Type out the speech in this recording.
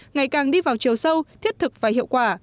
ngày càng đi vào chiều sâu thiết thực và hiệu quả